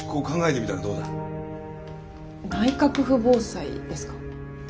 内閣府防災ですか？